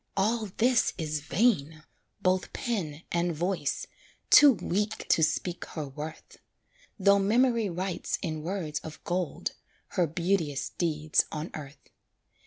All this is vain! both pen and voice, Too weak to speak her worth; Though memory writes in words of gold, Her beauteous deeds on earth.